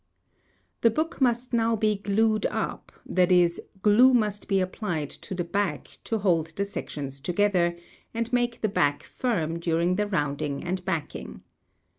The book must now be glued up; that is, glue must be applied to the back to hold the sections together, and make the back firm during the rounding and backing.